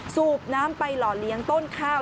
สูบน้ำไปหล่อเลี้ยงต้นข้าว